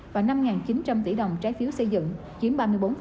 và năm chín trăm linh tỷ đồng trái phiếu xây dựng chiếm ba mươi bốn